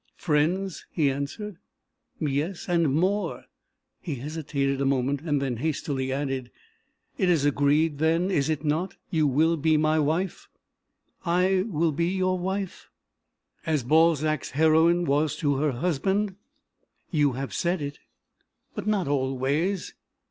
"Friends," he answered, "yes, and more " He hesitated a moment, and then hastily added, "It is agreed, then, is it not, you will be my wife?" "I will be your wife?" "As Balzac's heroine was to her husband?" "You have said it." "But not always.